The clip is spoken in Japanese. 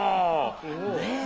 ねえ？